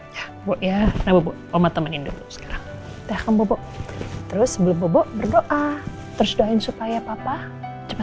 ya ya obo obo omat temenin dulu sekarang teh kamu bu terus sebelum bobo berdoa terus doain supaya papa cepet